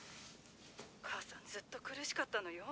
お母さんずっと苦しかったのよ。